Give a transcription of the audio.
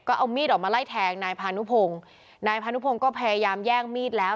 ก็เอามีดออกมาไล่แทงนายพานุพงศ์นายพานุพงศ์ก็พยายามแย่งมีดแล้ว